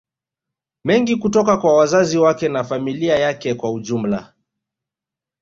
mengi kutoka kwa wazazi wake na familia yake kwa ujumla